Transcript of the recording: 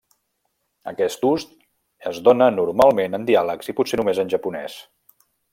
Aquest ús es dóna normalment en diàlegs i potser només en japonès.